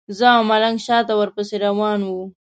زه او ملنګ شاته ورپسې روان وو.